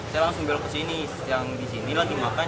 saya langsung belok ke sini yang di sini lagi makan